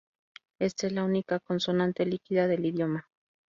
Esta es la única consonante líquida del idioma.